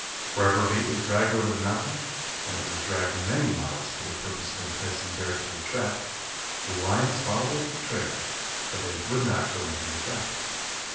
Wherever bait was dragged over the mountain, and it was dragged many miles for the purpose of enticing bear to the trap, the lions followed the trail, but they would not go into the trap.